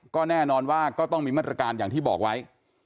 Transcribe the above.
ก็แน่นอนว่าก็ต้องมีมาตรการอย่างที่บอกไว้